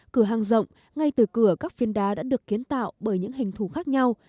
cửa hang rộng ngay từ cửa các phiên đá đã được kiến tạo bởi những hình thủ khác nhau